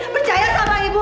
percayalah sama ibu